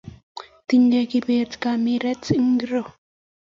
Tinyei kibet kamerait ngiro?